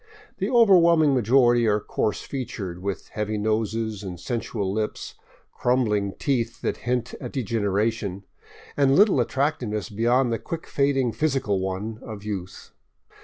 The overwhelming majority are coarse featured, with heavy noses and sensual lips, crumbling teeth that hint at degeneration, and little attractiveness beyond the quick fading physical one of youth.